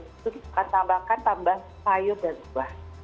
itu kita akan tambahkan tambah sayur dan buah